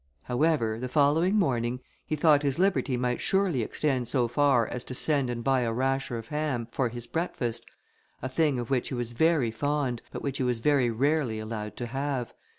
However, the following morning, he thought his liberty might surely extend so far as to send and buy a rasher of ham for his breakfast, a thing of which he was very fond, but which he was very rarely allowed to have.